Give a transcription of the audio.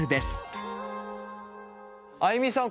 あいみさん